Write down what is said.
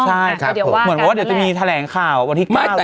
ใช่ครับเดี๋ยวว่าการนั้นแหละเหมือนว่าเดี๋ยวจะมีแทรงข่าววันที่ก้าวหรือเปล่า